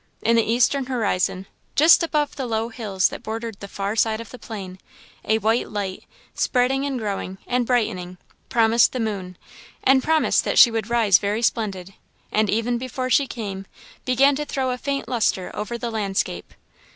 In the eastern horizon, just above the low hills that bordered the far side of the plain, a white light, spreading, and growing, and brightening, promised the moon, and promised that she would rise very splendid; and even before she came, began to throw a faint lustre over the landscape.